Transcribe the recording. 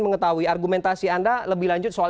mengetahui argumentasi anda lebih lanjut soal